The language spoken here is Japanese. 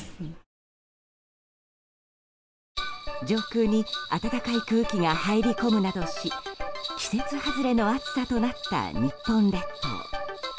上空に暖かい空気が入り込むなどし季節外れの暑さとなった日本列島。